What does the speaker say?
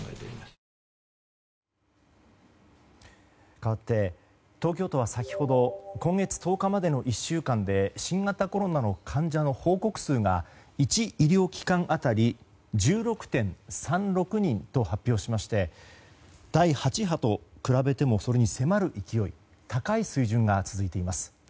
かわって、東京都は先ほど今月１０日までの１週間で新型コロナの患者の報告数が１医療機関当たり１６．３６人と発表しまして第８波と比べてもそれに迫る勢い高い水準が続いています。